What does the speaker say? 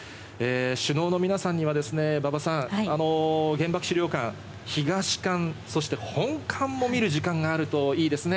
首脳の皆さんには馬場さん、原爆資料館・東館、そして本館も見る時間があるといいですね。